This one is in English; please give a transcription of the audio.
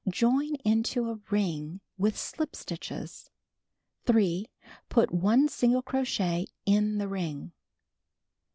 .loin into a ring with slip stitches. 3. Put 1 single crochet in the ring.